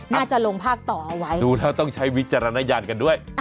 ลงภาคต่อเอาไว้ดูแล้วต้องใช้วิจารณญาณกันด้วย